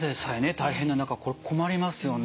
大変な中これ困りますよね。